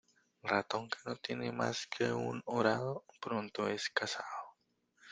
Ratón que no tiene más que un horado, pronto es cazado.